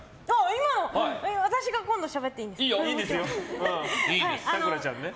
今の、私が今度しゃべっていいんですか？